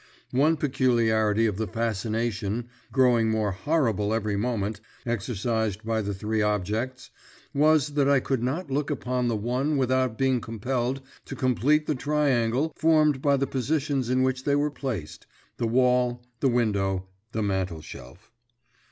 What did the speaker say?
One peculiarity of the fascination growing more horrible every moment exercised by the three objects, was that I could not look upon the one without being compelled to complete the triangle formed by the positions in which they were placed the wall, the window, the mantelshelf.